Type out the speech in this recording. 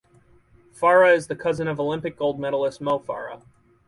Farah is the cousin of Olympic gold medallist Mo Farah.